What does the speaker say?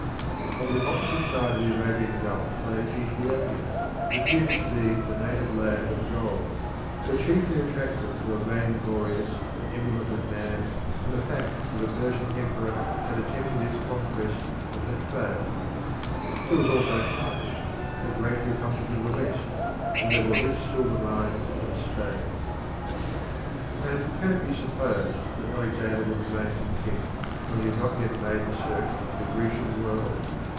On the opposite side of the Arabian gulf lay Ethiopia, reputed to be the native land of gold, but chiefly attractive to a vain glorious and emulative man from the fact that a Persian emperor had attempted its conquest and had failed. There was also Carthage, the great republic of the West, and there were rich silver mines in Spain. And can it be supposed that Alexander would remain content when he had not yet made the circuit of the Grecian world?